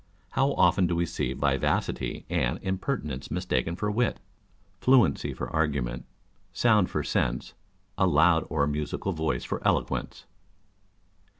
How often do we see vivacity and impertinence mistaken for wit ; fluency for argument ; sound for sense ; a loud or musical voice for eloquence!